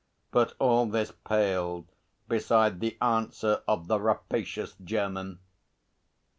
But all this paled beside the answer of the rapacious German.